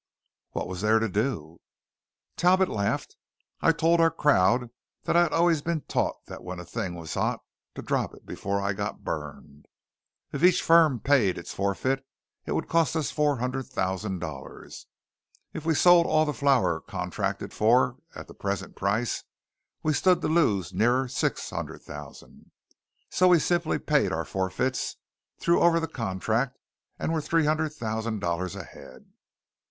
"What was there to do?" Talbot laughed. "I told our crowd that I had always been taught that when a thing was hot, to drop it before I got burned. If each firm paid its forfeit it would cost us four hundred thousand dollars. If we sold all the flour contracted for at the present price, we stood to lose nearer six hundred thousand. So we simply paid our forfeits, threw over the contract, and were three hundred thousand ahead."